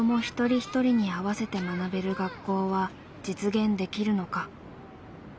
一人一人に合わせて学べる学校は実現できるのか。